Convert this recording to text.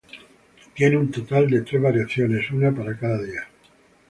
Tiene un total de tres variaciones, una para cada día.